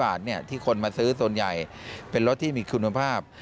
บาทที่คนมาซื้อส่วนใหญ่เป็นรถที่มีคุณภาพ